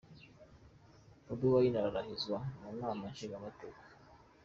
Bobi Wine ararahizwa mu nama nshingamateka.